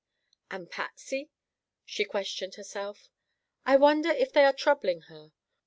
"And Patsy?" she questioned herself, "I wonder if they are troubling her.